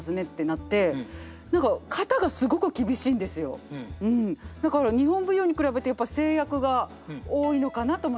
違うとだから日本舞踊に比べてやっぱり制約が多いのかなと思いながら。